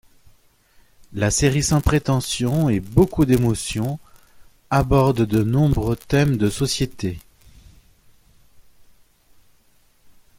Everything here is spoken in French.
La série sans prétention et beaucoup d'émotions aborde de nombreux thèmes de société.